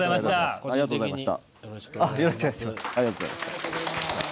ありがとうございます。